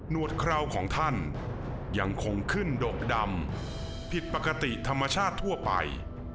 วดคราวของท่านยังคงขึ้นดกดำผิดปกติธรรมชาติทั่วไป